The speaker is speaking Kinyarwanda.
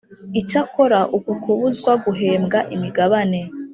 Icyakora Uko Kubuzwa Guhembwa Imigabane